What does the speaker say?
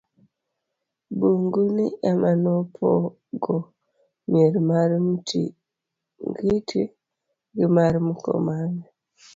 bungu ni ema nopogo mier mar Mtingiti gi mar Mkomani